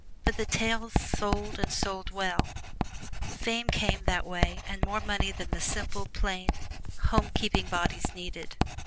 But the "Tales" sold and sold well; fame came that way and more money than the simple, plain, homekeeping bodies needed.